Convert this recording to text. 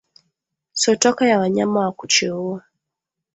Sotoka ya wanyama wa kucheua